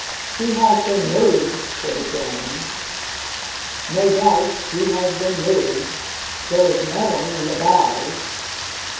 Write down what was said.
"He has been moved," said the German. "No doubt he has been moved. There is no one in the bows."